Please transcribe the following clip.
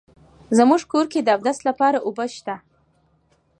زمونږ کور کې د اودس لپاره اوبه شته